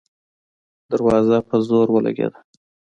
دروازه په زور ولګېده.